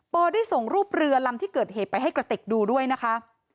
ได้ส่งรูปเรือลำที่เกิดเหตุไปให้กระติกดูด้วยนะคะ